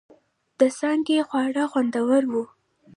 د څانگې خواړه خوندور و.